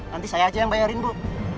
nanti saya aja yang bayarin bu